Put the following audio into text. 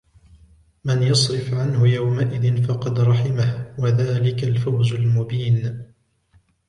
من يصرف عنه يومئذ فقد رحمه وذلك الفوز المبين